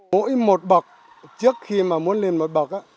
mỗi một bậc trước khi mà muốn lên một bậc á